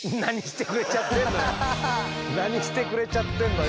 何してくれちゃってんのよ。